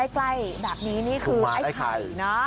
ใกล้แบบนี้นี่คือไอ้ไข่นะ